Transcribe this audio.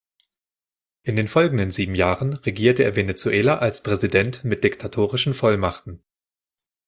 In den folgenden sieben Jahren regierte er Venezuela als Präsident mit diktatorischen Vollmachten.